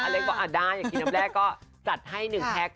เล็กบอกได้อย่างกินน้ำแรกก็จัดให้๑แพ็ค